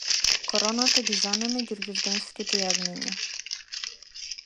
Короната ги занеме ѓурѓовденските јагниња